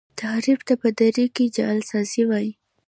تحریف ته په دري کي جعل سازی وايي.